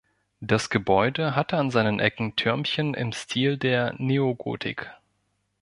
Das Gebäude hatte an seinen Ecken Türmchen im Stil der Neogotik.